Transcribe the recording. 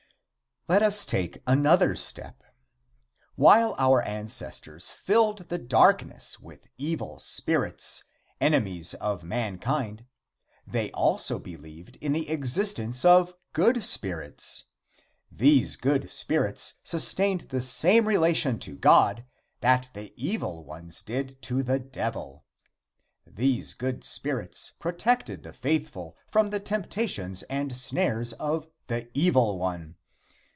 III. Let us take another step: While our ancestors filled the darkness with evil spirits, enemies of mankind, they also believed in the existence of good spirits. These good spirits sustained the same relation to God that the evil ones did to the Devil. These good spirits protected the faithful from the temptations and snares of the Evil One.